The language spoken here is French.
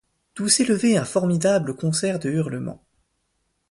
d’où s’élevait un formidable concert de hurlements.